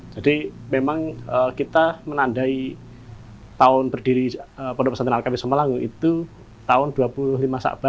jadi memang kita menandai tahun perdiri pondok pesantren alkafi samarang itu tahun dua puluh lima saban seribu empat ratus sembilan belas